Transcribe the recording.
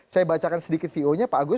saya bacakan sedikit vo nya pak agus